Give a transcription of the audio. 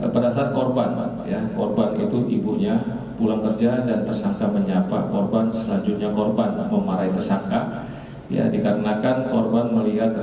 memang sudah ada kalau kita lihat